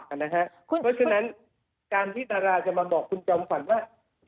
เพราะฉะนั้นการพิจาระจะมาบอกคุณจอมฝันว่า